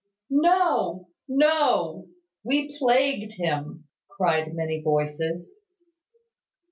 "No! No! We plagued him," cried many voices.